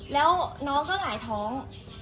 แล้วน้องเขาหงายท้อง